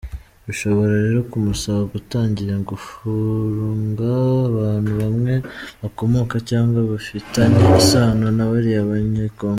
Bishobora rero kumusaba gutangira gufunga abantu bamwe bakomoka cyangwa bafitanye isano na bariya banyekongo.